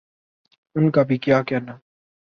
ان کا بھی کیا کہنا۔